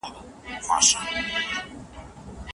ده وويل چې دا سره زر دي.